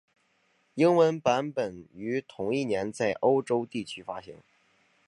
英文版本于同一年在欧洲地区发行。